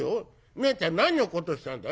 ねえちゃん何落っことしたんだい？」。